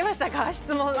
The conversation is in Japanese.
質問は。